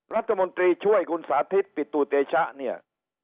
รัฐมนตรีช่วยคุณสาธิตปิตุเตชะเนี่ย